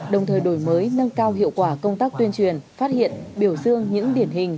đồng thời đổi mới nâng cao hiệu quả công tác tuyên truyền phát hiện biểu dương những điển hình